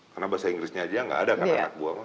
karena bahasa inggrisnya saja tidak ada anak buah